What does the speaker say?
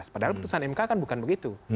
padahal putusan mk kan bukan begitu